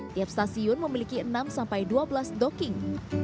tiap stasiun memiliki enam sampai dua belas docking